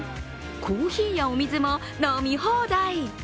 コーヒーやお水も飲み放題。